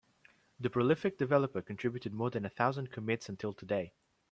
The prolific developer contributed more than a thousand commits until today.